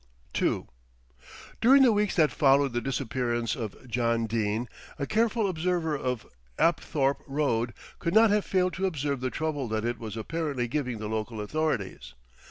II During the weeks that followed the disappearance of John Dene, a careful observer of Apthorpe Road could not have failed to observe the trouble that it was apparently giving the local authorities.